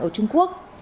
ở trung quốc